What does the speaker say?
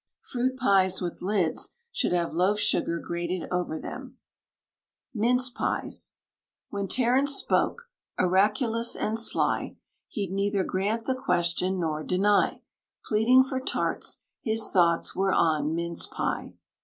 Fruit pies with lids should have loaf sugar grated over them. MINCE PIES. When Terence spoke, oraculous and sly, He'd neither grant the question nor deny, Pleading for tarts, his thoughts were on mince pie.